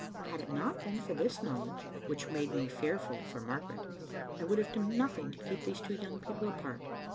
Had it not been for this knowledge, which made me fearful for Margaret, I would have done nothing to keep these two young peo ple apart.